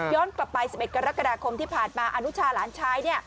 กลับไป๑๑กรกฎาคมที่ผ่านมาอนุชาหลานชาย